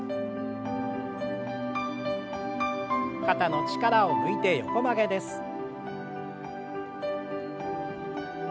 肩の力を抜いて横曲げです。